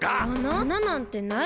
あななんてないけど。